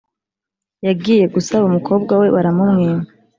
Yagiye gusaba umukobwa we baramumwima